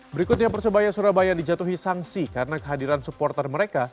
berikutnya persebaya surabaya dijatuhi sanksi karena kehadiran supporter mereka